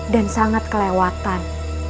dan sangat kelewatan